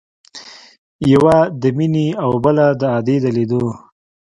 يوه د مينې او بله د ادې د ليدو.